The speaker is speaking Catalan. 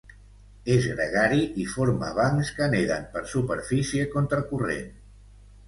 És gregari i forma bancs que neden per superfície contra corrent.